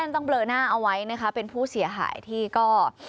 ต้องเลอหน้าเอาไว้นะคะเป็นผู้เสียหายที่ก็